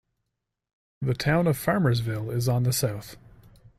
The town of Farmersville is on the south.